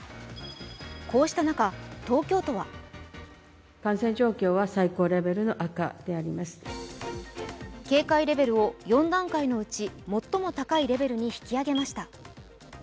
こうした中、東京都は警戒レベルを４段階のうち最も高いレベルに引き上げました。